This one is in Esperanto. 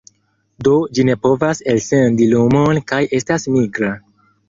Do ĝi ne povas elsendi lumon kaj estas nigra.